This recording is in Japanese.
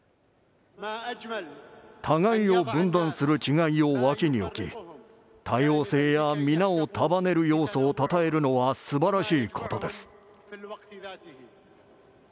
互いを分断する違いを脇に置き多様性や皆を束ねる要素をたたえるのはすばらしいことです。